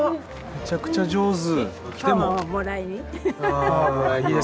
めちゃくちゃ上手。